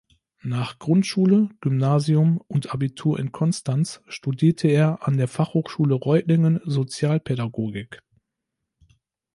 Nach Grundschule, Gymnasium und Abitur in Konstanz studierte er an der Fachhochschule Reutlingen Sozialpädagogik.